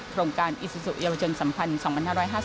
โครงการอิสุสุเยาวจนสัมพันธ์๒๕๕๘ค่ะ